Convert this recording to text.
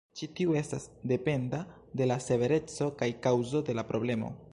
Ĉi tiu estas dependa de la severeco kaj kaŭzo de la problemo.